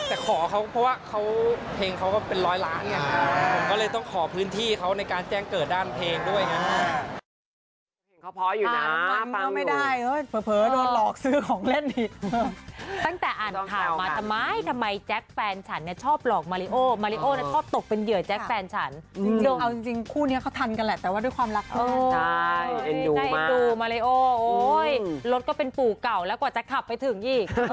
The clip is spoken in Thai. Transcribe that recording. แต่ขอเขาเพราะว่าเขาเพลงเขาก็เป็นร้อยล้านไงผมก็เลยต้องขอพื้นที่เขาในการแจ้งเกิดด้านเพลงด้วยไง